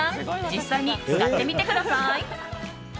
実際に使ってみてください。